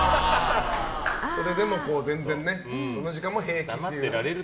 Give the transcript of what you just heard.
それでも全然ねその時間も平気っていう。